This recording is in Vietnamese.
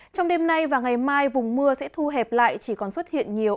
trong đêm nay và ngày mai vùng mưa sẽ thu hẹp lại chỉ còn xuất hiện nhiều